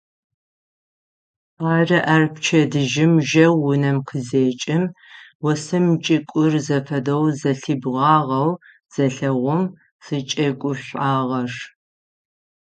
Ары ар пчэдыжьым жьэу унэм къызекӏым осым чӏыгур зэфэдэу зэлъибгъагъэу зелъэгъум зыкӏэгушӏуагъэр.